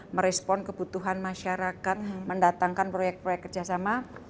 merespon kebutuhan masyarakat mendatangkan proyek proyek kerjasama